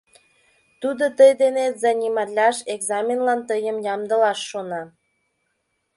Тудо тый денет заниматлаш, экзаменлан тыйым ямдылаш шона.